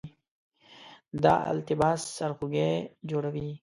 دا التباس سرخوږی جوړوي.